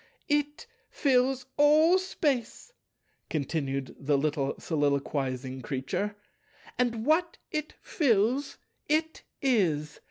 "It fills all Space," continued the little soliloquizing Creature, "and what It fills, It is.